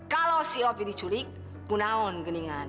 kalau si ovi diculik gunaun geningan